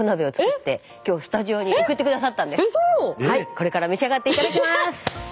これから召し上がっていただきます！